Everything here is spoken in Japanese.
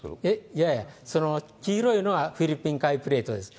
いやいや、その黄色いのはフィリピン海プレートです。